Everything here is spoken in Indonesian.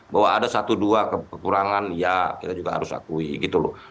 bahwa ada satu dua kekurangan ya kita juga harus akui gitu loh